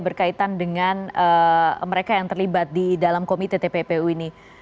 berkaitan dengan mereka yang terlibat di dalam komite tppu ini